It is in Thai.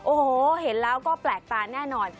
โอ้โหเห็นแล้วก็แปลกตาแน่นอน